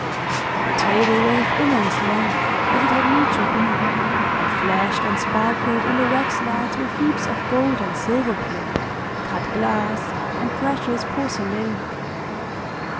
The table was of immense length, as it had need to be, and flashed and sparkled in the wax lights with heaps of gold and silver plate, cut glass, and precious porcelain.